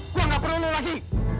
gua enggak perlu lu lagi